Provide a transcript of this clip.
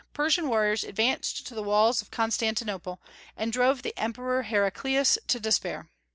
Persian warriors advanced to the walls of Constantinople, and drove the Emperor Heraclius to despair.